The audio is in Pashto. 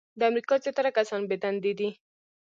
د امریکا زیاتره کسان بې دندې دي .